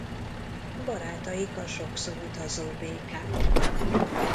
Barátaik a sokszor utazó békák.